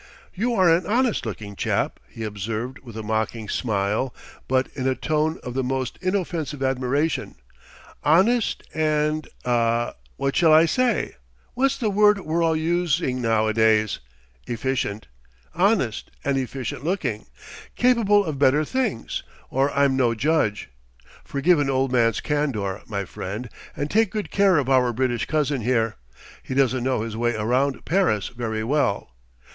"You are an honest looking chap," he observed with a mocking smile but in a tone of the most inoffensive admiration "honest and ah what shall I say? what's the word we're all using now a days? efficient! Honest and efficient looking, capable of better things, or I'm no judge! Forgive an old man's candour, my friend and take good care of our British cousin here. He doesn't know his way around Paris very well.